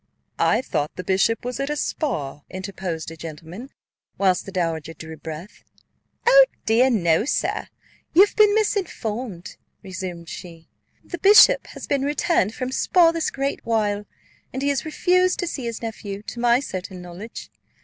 "I thought the bishop was at Spa," interposed a gentleman, whilst the dowager drew breath. "O dear, no, sir; you have been misinformed," resumed she. "The bishop has been returned from Spa this great while, and he has refused to see his nephew, to my certain knowledge.